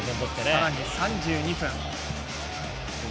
さらに３２分。